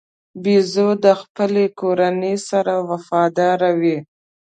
بیزو د خپلې کورنۍ سره وفاداره وي.